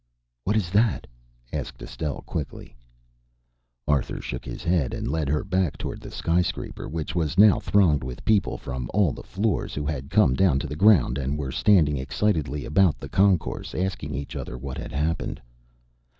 "What is that?" asked Estelle quickly. Arthur shook his head and led her back toward the skyscraper, which was now thronged with the people from all the floors who had come down to the ground and were standing excitedly about the concourse asking each other what had happened.